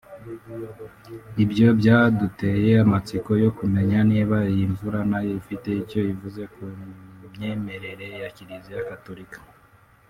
Ibi byaduteye amatsiko yo kumenya niba iyi mvura nayo ifite icyo ivuze mu myemerere ya Kiliziya gatolika